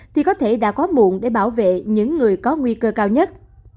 thì có thể đã có muộn để bảo vệ những người có nguy cơ cao nhất